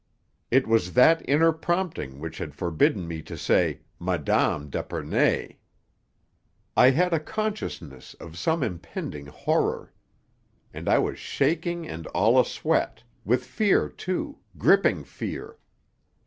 It was that inner prompting which had forbidden me to say "Mme. d'Epernay." I had a consciousness of some impending horror. And I was shaking and all a sweat with fear, too gripping fear!